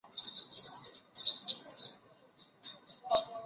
该药可能让人上瘾甚至致死。